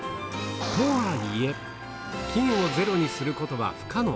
とはいえ、菌を０にすることは不可能。